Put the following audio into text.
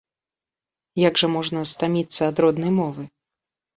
Як жа можна стаміцца ад роднай мовы?